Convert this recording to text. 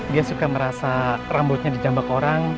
dia suka merasa rambutnya di jambak orang